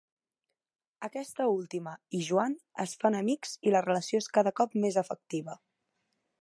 Aquesta última i Joan es fan amics i la relació és cada cop més afectiva.